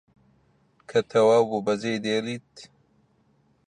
کە تەواو بوو بەجێ دێڵێت